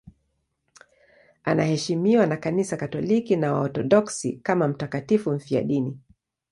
Anaheshimiwa na Kanisa Katoliki na Waorthodoksi kama mtakatifu mfiadini.